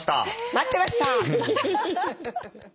待ってました！